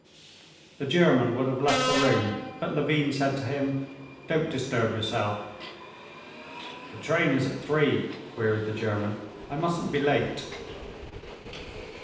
The German would have left the room, but Levin said to him: "Don't disturb yourself." "The train is at three?" queried the German. "I mustn't be late."